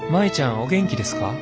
お元気ですか？